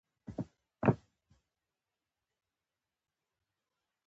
پرون مې اکا ته ټېلفون وکړ.